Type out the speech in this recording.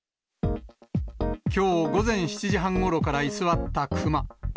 きょう午前７時半ごろから居座ったクマ。